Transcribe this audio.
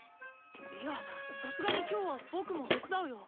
いやさすがに今日は僕も手伝うよ。